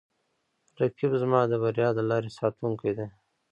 رقیب زما د بریا د لارې ساتونکی دی